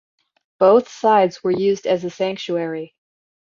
Both sides were used as a sanctuary.